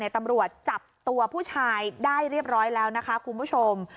ตำรวจจับตัวผู้ชายได้เรียบร้อยแล้วนะคะคุณผู้ชม